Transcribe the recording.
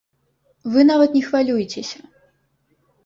Вы нават не хвалюйцеся!